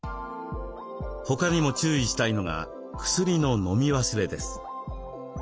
他にも注意したいのが薬の飲み忘れです。